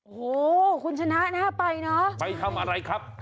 โอ้โหคุณชนะน่าไปเนอะไปทำอะไรครับ